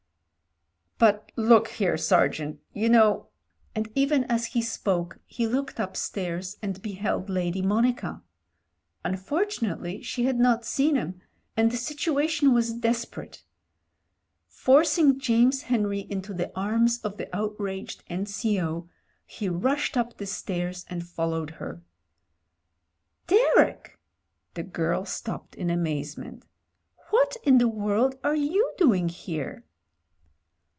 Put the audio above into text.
"But look here, Sergeant, you know ..." and even as he spoke he looked upstairs and beheld Lady Monica. Unfortunately she had not seen him, and the situation was desperate. Forcing James Henry into the arms of the outraged N.C.O., he rushed up * the stairs and followed her. "Derek !" The girl stopped in amazement. "What in the world are you doing here?"